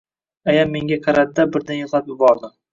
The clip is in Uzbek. Ayam menga qaradi-da, birdan yigʻlab yubordi.